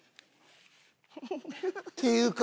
っていうか